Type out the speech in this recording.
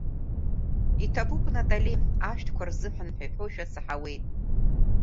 Иҭабуп, Натали, ашәҭқәа рзыҳәан ҳәа ихәошәа саҳауеит.